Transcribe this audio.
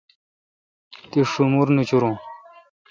تی ݭومر نوچورون۔